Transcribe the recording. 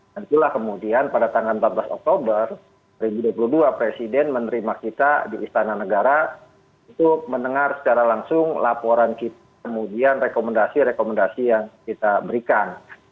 dan itulah kemudian pada tanggal empat belas oktober dua ribu dua puluh dua presiden menerima kita di istana negara untuk mendengar secara langsung laporan kita kemudian rekomendasi rekomendasi yang kita berikan